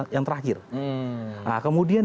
yang terakhir kemudian